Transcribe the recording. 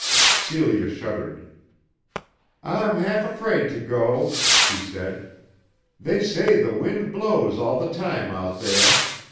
Celia shuddered. "I'm ha'f afraid to go," she said. "They say the wind blows all the time out theah.